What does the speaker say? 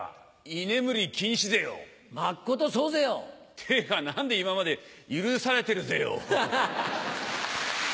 っていうか何で今まで許されてるぜよ。